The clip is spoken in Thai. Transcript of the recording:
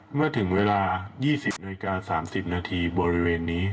เมื่อถึงเวลา๒๐นาฬิกา๓๐นาทีบริเวณนี้